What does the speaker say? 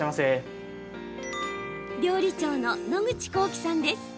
料理長の野口晃生さんです。